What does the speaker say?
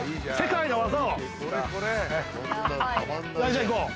じゃあいこう。